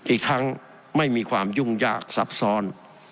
อีกทั้งไม่มีความยุ่งยากซับซ้อน